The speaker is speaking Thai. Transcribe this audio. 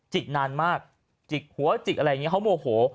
กนานมากจิกหัวจิกอะไรอย่างนี้เขาโมโห